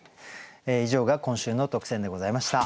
以上が今週の特選でございました。